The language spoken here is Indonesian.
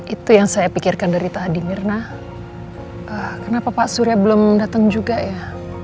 itu yang saya pikirkan dari tadi mirna kenapa pak surya belum datang juga ya